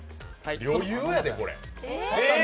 余裕やで、これ。